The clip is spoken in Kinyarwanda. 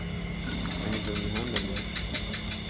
nanyuze mumihanda migufi